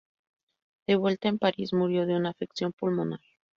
De vuelta en París murió de una afección pulmonar.